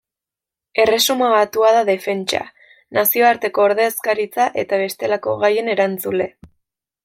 Erresuma Batua da defentsa, nazioarteko ordezkaritza eta bestelako gaien erantzule.